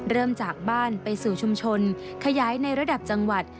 เริ่มจากบ้านไปสู่ชุมชนขยายในระดับจังหวัด